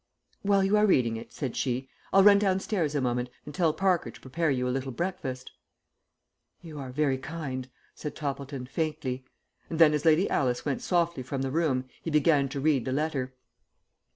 "While you are reading it," said she, "I'll run downstairs a moment, and tell Parker to prepare you a little breakfast." "You are very kind," said Toppleton, faintly; and then as Lady Alice went softly from the room he began to read the letter.